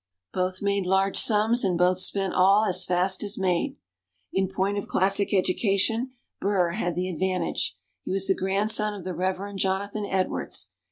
Both made large sums, and both spent them all as fast as made. In point of classic education, Burr had the advantage. He was the grandson of the Reverend Jonathan Edwards.